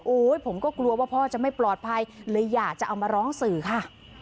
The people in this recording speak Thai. ผมก็กลัวว่าพ่อจะไม่ปลอดภัยเลยอยากจะเอามาร้องสื่อค่ะ